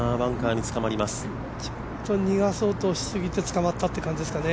ちょっと逃がそうとしすぎてつかまったっていう感じですかね。